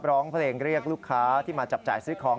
ร้องเพลงเรียกลูกค้าที่มาจับจ่ายซื้อของ